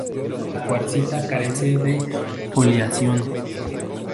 La cuarcita carece de foliación.